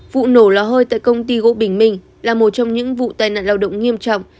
vụ nổ lò hơi tại công ty gỗ bình minh là một trong những vụ tai nạn lao động nghiêm trọng